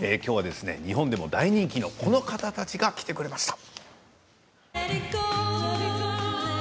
日本でも大人気のこの方たちが来てくれました。